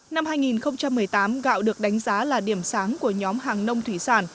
năm hai nghìn một mươi tám gạo được đánh giá là điểm sáng của nhóm hàng nông thủy sản